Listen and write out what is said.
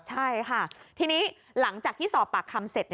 ใช่ค่ะทีนี้หลังจากที่สอบปากคำเสร็จ